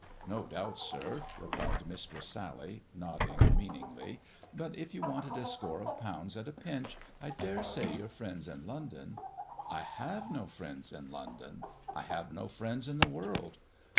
" No doubt, sir," replied Mistress Sally, nodding mean ingly, " but if you wanted a score of pounds at a pinch, I dare say your friends in London "" I have no friends in London — I have no friends in the world.